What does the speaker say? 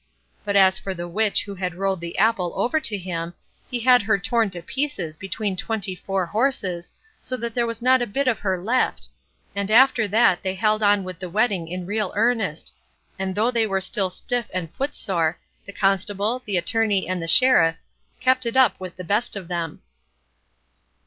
But as for the witch who had rolled the apple over to him, he had her torn to pieces between twenty four horses, so that there was not a bit of her left, and after that they held on with the wedding in real earnest; and though they were still stiff and footsore, the Constable, the Attorney, and the Sheriff, kept it up with the best of them.